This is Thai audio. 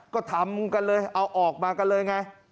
ก็ทำเลยเอาออกมากันเลย